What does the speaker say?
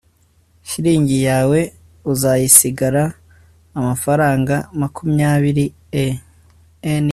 shilingi yawe uzasigara amafaranga makumyabiri e